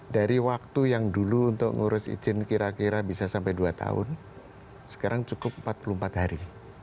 dari waktu yang dulu untuk ngurus izin kira kira bisa sampai dua tahun sekarang cukup empat puluh empat hari